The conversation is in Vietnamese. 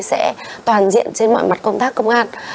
sẽ toàn diện trên mọi mặt công tác công an